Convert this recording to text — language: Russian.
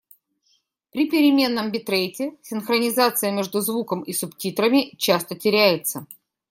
При переменном битрейте синхронизация между звуком и субтитрами часто теряется.